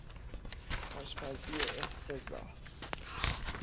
آشپزی افتضاح